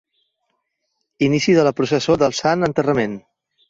Inici de la Processó del Sant Enterrament.